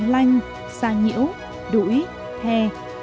lanh sa nhiễu đũi hè